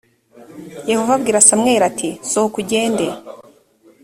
yehova abwira samweli ati sohoka ugende